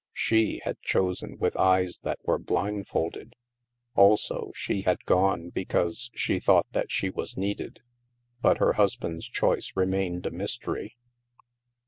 She had chosen with eyes that were blindfolded. Also, she had gone because she thought that she was needed. But her husband's choice remained a mystery.